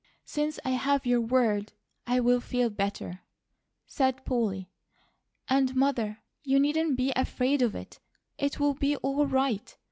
"Since I have your word, I'll feel better," said Polly. "And Mother, you needn't be AFRAID of it. It will be all right.